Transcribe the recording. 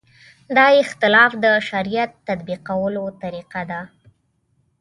دا اختلاف د شریعت تطبیقولو طریقه ده.